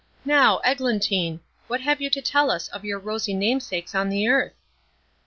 Now, Eglantine, what have you to tell us of your rosy namesakes on the earth?"